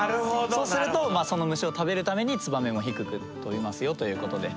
そうするとその虫を食べるためにツバメも低く飛びますよということで。